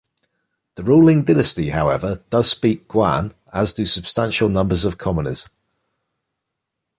The ruling dynasty, however, does speak Guan, as do substantial numbers of commoners.